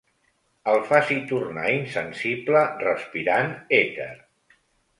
El faci tornar insensible respirant èter.